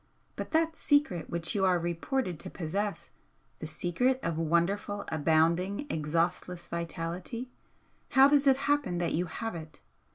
But that secret which you are reported to possess the secret of wonderful abounding exhaustless vitality how does it happen that you have it?